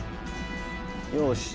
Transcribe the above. よし。